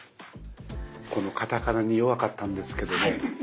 カタカナに弱かったんですけどね